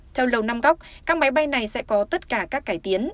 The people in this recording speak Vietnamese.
theo lầu năm góc các máy bay này sẽ có tất cả các cải tiến